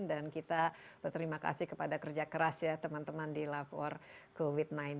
dan kita berterima kasih kepada kerja keras ya teman teman di love for covid sembilan belas